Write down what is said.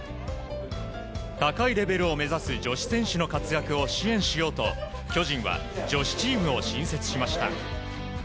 高いレベルを目指す女子選手の活躍を支援しようと巨人は女子チームを新設しました。